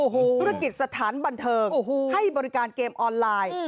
ธุรกิจสถานบันเทิงให้บริการเกมออนไลน์